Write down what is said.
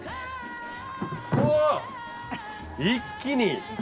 うわっ一気に！